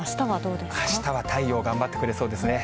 あしたは太陽頑張ってくれそうですね。